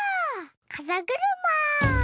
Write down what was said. かざぐるま。